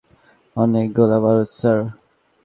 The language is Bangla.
অনেক গোলাবারুদ, স্যার।